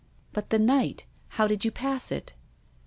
" But the night ? How did you pass it